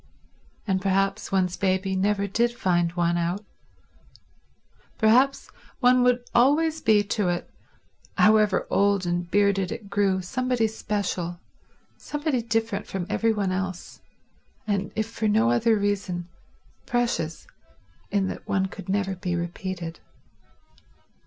And perhaps one's baby never did find one out; perhaps one would always be to it, however old and bearded it grew, somebody special, somebody different from every one else, and if for no other reason, precious in that one could never be repeated.